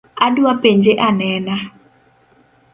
Adwa penje anena